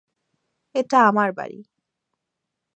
এটা আমার বাড়ি।